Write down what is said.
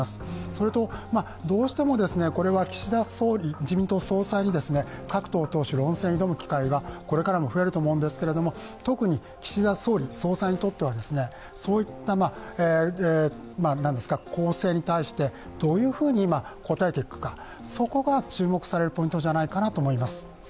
それとどうしても岸田総理、自民党総裁に各党党首手、論戦を挑む機会がこれから増えると思うんですけれども、特に岸田総理、総裁にとっては、そういった攻勢に対してどういうふうに応えていくか、そこが注目されるポイントじゃないかなと思います。